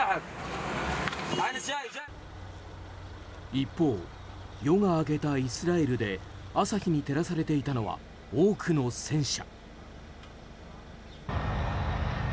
一方、夜が明けたイスラエルで朝日に照らされていたのは多くの戦車。